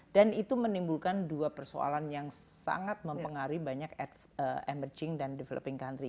dan itu menimbulkan dua persoalan yang sangat mempengaruhi banyak emerging dan developing country